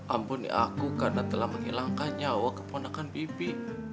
ampuni aku karena telah menghilangkan nyawa keponakan bibi